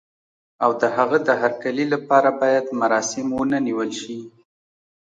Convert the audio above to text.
او د هغه د هرکلي لپاره باید مراسم ونه نیول شي.